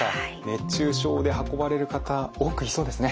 熱中症で運ばれる方多くいそうですね。